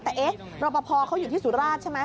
แต่เอ๊ะรอปภเขาอยู่ที่สุราชใช่ไหม